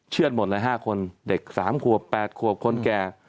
เชื่อตหมดเลย๕คนเด็ก๓กว่า๘กว่าคนแก่